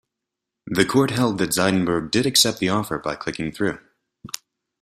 The court held that Zeidenberg did accept the offer by clicking through.